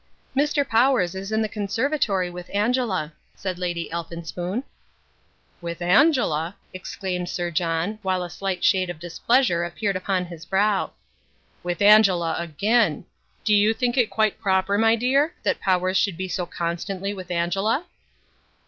"Mr. Powers is in the conservatory with Angela," said Lady Elphinspoon. "With Angela!" exclaimed Sir John, while a slight shade of displeasure appeared upon his brow. "With Angela again! Do you think it quite proper, my dear, that Powers should be so constantly with Angela?"